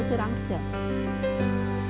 itu tidak bisa